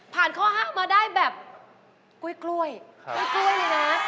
ผ่านข้อ๕มาได้แบบกล้วยเลยนะ